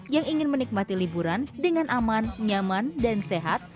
yang ingin menikmati liburan dengan aman nyaman dan sehat